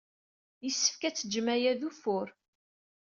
Yessefk ad teǧǧem aya d ufur.